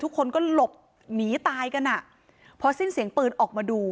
ทุกคนก็หลบหนีตายกันอ่ะพอสิ้นเสียงปืนออกมาดู